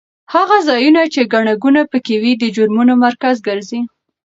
هغه ځایونه چې ګڼه ګوڼه پکې وي د جرمونو مرکز ګرځي.